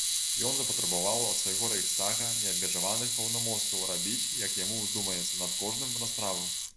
Ён запатрабаваў ад свайго рэйхстага неабмежаваных паўнамоцтваў рабіць, як яму ўздумаецца, над кожным расправу.